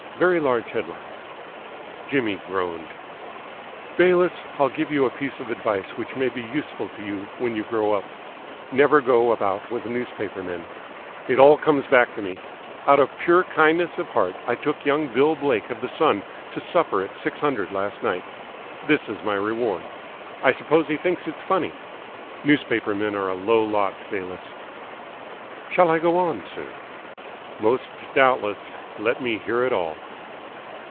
Very large headlines." Jimmy groaned. "Bayliss, I'll give you a piece of advice which may be useful to you when you grow up. Never go about with newspaper men. It all comes back to me. Out of pure kindness of heart I took young Bill Blake of the Sun to supper at the Six Hundred last night. This is my reward. I suppose he thinks it funny. Newspaper men are a low lot, Bayliss." "Shall I go on, sir?" "Most doubtless. Let me hear all."